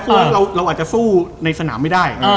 เพราะว่าเราเราอาจจะสู้ในสถานาไม่ได้อ่า